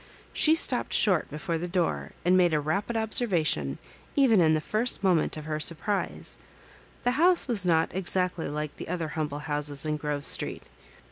She stopped short before the door and made a rapid observation even in the first mo ment of her surprise. The house was not ex actly like the other humble houses in Grove Street.